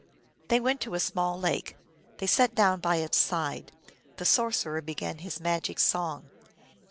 They went to a small lake ; they sat down by its side ; the sorcerer began his magic song.